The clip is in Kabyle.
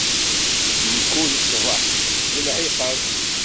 Mkul ṣṣbeḥ, d lɛiqab.